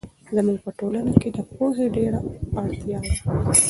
زموږ په ټولنه کې د پوهې ډېر اړتیا ده.